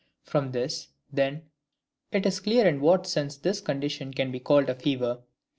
From this, then, it is clear in what sense this condition can be called a fever.